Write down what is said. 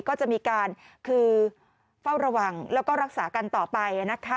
ก็จะมีการคือเฝ้าระวังแล้วก็รักษากันต่อไปนะคะ